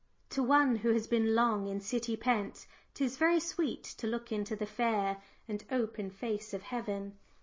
"To one who has been long in city pent, 'Tis very sweet to look into the fair And open face of heaven."